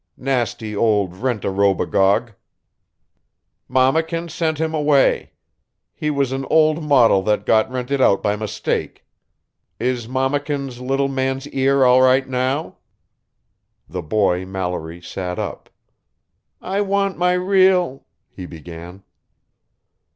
"Nasty old rent a robogogue! Mammakin sent him away. He was an old model that got rented out by mistake. Is mammakin's little man's ear all right now?" The boy Mallory sat up. "I want my real " he began.